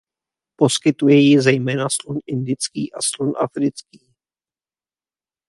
Poskytuje ji zejména slon indický a slon africký.